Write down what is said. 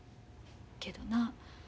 けどな。